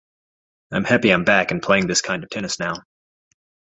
I'm happy I'm back and playing this kind of tennis now.